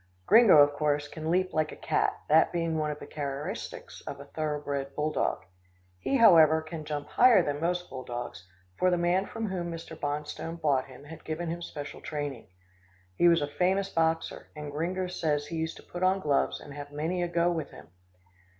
Gringo, of course, can leap like a cat, that being one of the characteristics of a thoroughbred bull dog. He, however, can jump higher than most bull dogs, for the man from whom Mr. Bonstone bought him had given him special training. He was a famous boxer, and Gringo says he used to put on gloves and have many a go with him.